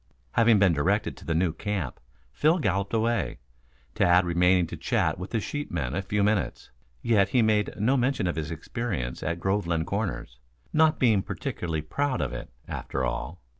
Having been directed to the new camp, Phil galloped away, Tad remaining to chat with the sheepman a few minutes. Yet he made no mention of his experience at Groveland Corners, not being particularly proud of it, after all.